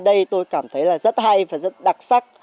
đây tôi cảm thấy là rất hay và rất đặc sắc